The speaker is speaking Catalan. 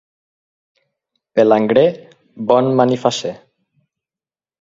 Palangrer, bon manifasser.